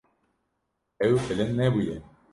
Ew bilind nebûye.